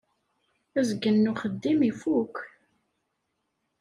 Azgen n uxeddim-im ifukk.